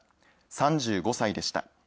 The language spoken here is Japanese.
３５歳でした。